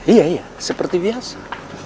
iya iya seperti biasa